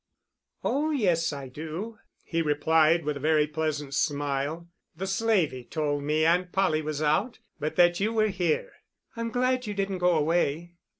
"Oh yes, I do," he replied, with a very pleasant smile. "The slavey told me Aunt Polly was out, but that you were here." "I'm glad you didn't go away."